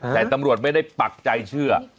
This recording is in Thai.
แต่ตำรวจไม่ได้ปักใจเชื่อ